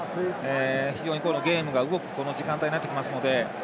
非常にゲームが動く時間帯になってきますので。